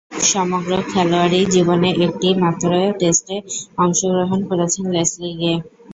সমগ্র খেলোয়াড়ী জীবনে একটিমাত্র টেস্টে অংশগ্রহণ করেছেন লেসলি গে।